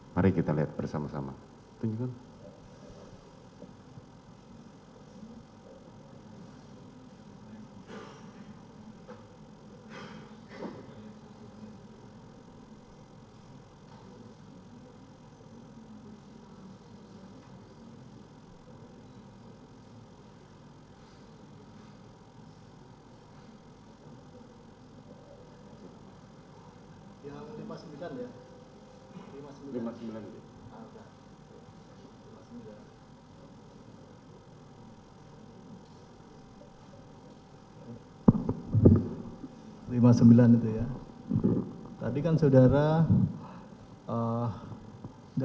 mari kita lihat bersama sama